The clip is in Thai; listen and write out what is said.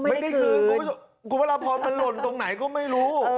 ไม่ได้คืนกูเวลาพอมันหล่นตรงไหนก็ไม่รู้